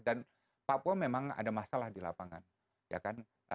dan papua memang ada masalah di lapangan